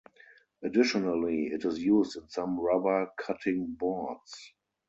Additionally, it is used in some rubber cutting boards.